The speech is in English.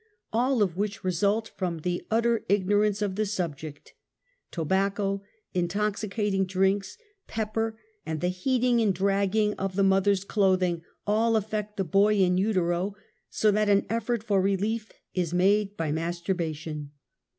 All of which result from the utter ignorance of the subject. Tobacco, intoxicating drinks, pepper, and the heating and dragging of the mother's clothing all effect the boy in utero so that an effort for relief is made by mas turbation.